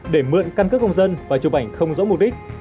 để mượn căn cước công dân và chụp ảnh không rõ mục đích